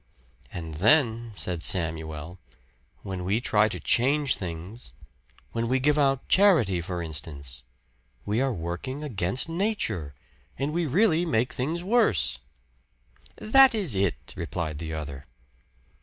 "And then," said Samuel, "when we try to change things when we give out charity, for instance we are working against Nature, and we really make things worse." "That is it," replied the other.